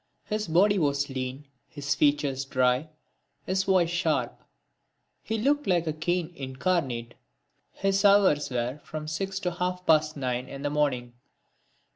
His body was lean, his features dry, his voice sharp. He looked like a cane incarnate. His hours were from six to half past nine in the morning.